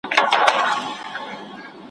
زما پر تا باندي اوس لس زره روپۍ دي .